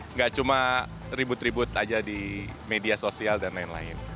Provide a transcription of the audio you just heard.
nggak cuma ribut ribut aja di media sosial dan lain lain